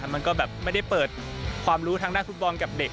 มันก็แบบไม่ได้เปิดความรู้ทางด้านฟุตบอลกับเด็ก